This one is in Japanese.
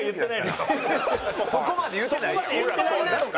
そこまで言ってないやん。